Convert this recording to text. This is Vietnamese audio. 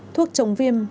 thuốc chống viêm